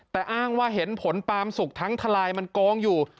แต่อ้างว่าเห็นผลปามสุกทั้งทลายมันโกงอยู่